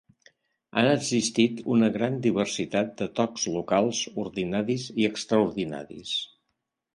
Han existit una gran diversitat de tocs locals, ordinaris i extraordinaris.